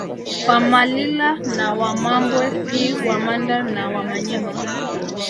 Wamalila na Wamambwe pi Wamanda na Wamanyema